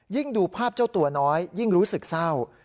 ดูภาพเจ้าตัวน้อยยิ่งรู้สึกเศร้า